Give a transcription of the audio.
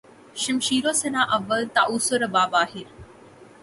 شمشیر و سناں اول طاؤس و رباب آخر